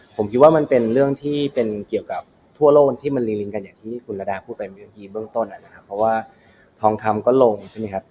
ผมคิดว่ามันเป็นเรื่องที่เป็นเกี่ยวกับทั่วโลกที่มันรีลิงกันอย่างที่คุณระดาพูดไปเมื่อกี้เบื้องต้นนะครับเพราะว่าทองคำก็ลงใช่ไหมครับ